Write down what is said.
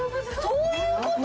・そういうこと？